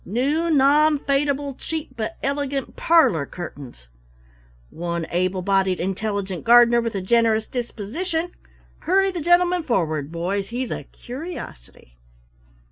New Non fadable Cheap but Elegant Parlor Curtains One Able bodied Intelligent Gardener, with a Generous Disposition hurry the gentleman forward, boys, he's a curiosity!